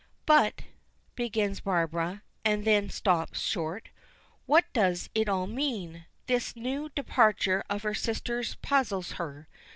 "But," begins Barbara, and then stops short. What does it all mean? this new departure of her sister's puzzles her.